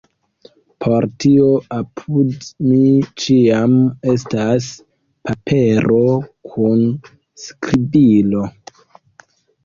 Por tio apud mi ĉiam estas papero kun skribilo.